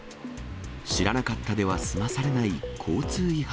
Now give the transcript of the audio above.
知らなかったでは済まされない交通違反。